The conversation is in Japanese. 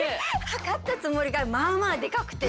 測ったつもりがまあまあでかくて。